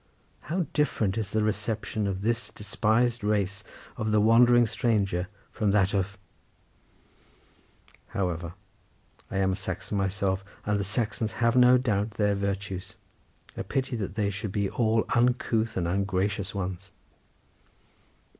How different is the reception of this despised race of the wandering stranger from that of —. However, I am a Saxon myself, and the Saxons have no doubt their virtues; a pity that they should be all uncouth and ungracious ones!